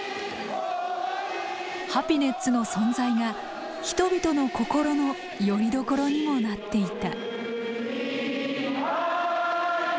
ハピネッツの存在が人々の心のよりどころにもなっていた。